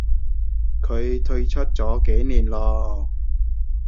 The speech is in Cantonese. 佢退出咗幾年咯